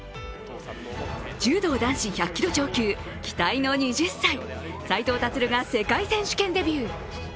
柔道男子１００キロ超級、期待の２０歳、斉藤立が世界選手権デビュー。